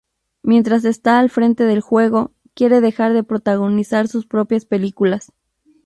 Mientras está al frente del juego, quiere dejar de protagonizar sus propias películas.